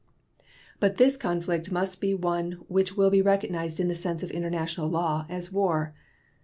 But this conflict must be one which will be recognized in the sense of international law as war.